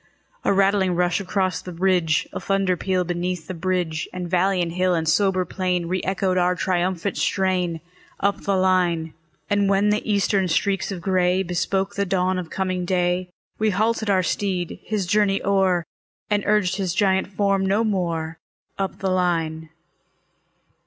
A rattling rush across the ridge, A thunder peal beneath the bridge; And valley and hill and sober plain Re echoed our triumphant strain, Up the line. And when the Eastern streaks of gray Bespoke the dawn of coming day, We halted our steed, his journey o'er, And urged his giant form no more, Up the line.